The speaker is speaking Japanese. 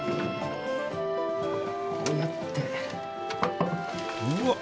こうやって。